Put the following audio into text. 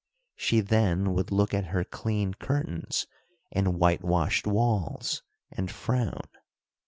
She then would look at her clean curtains and whitewashed walls, and frown.